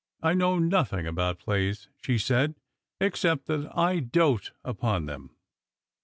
" I know nothing about plays," she said, " ex cept that I doat upon them."